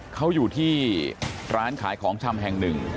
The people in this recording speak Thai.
เขาอยู่ที่ร้านขายของชำแห่งหนึ่ง